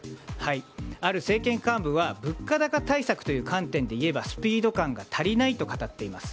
ある政権幹部は物価高対策という観点でいえばスピード感が足りないと語っています。